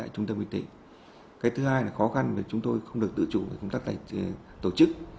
cái thứ hai là khó khăn là chúng tôi không được tự chủ công tác tổ chức